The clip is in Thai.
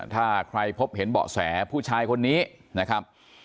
ถ้าใครพบเห็นเบาะแสผู้ชายคนนี้นะครับ